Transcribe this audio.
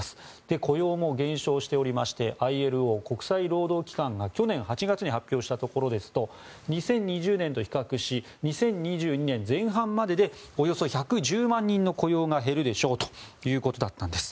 雇用も減少しておりましてＩＬＯ・国際労働機関が去年８月に発表したところですと２０２０年と比較し２０２２年前半まででおよそ１１０万人の雇用が減るでしょうということだったんです。